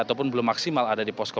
ataupun belum maksimal ada di posko